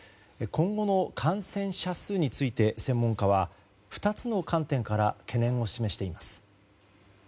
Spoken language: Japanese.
今後の感染者数について専門家は２つの観点から懸念を示しています。